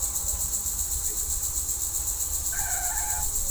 • تش په نامه یې د اشرف المخلوقات نه منم..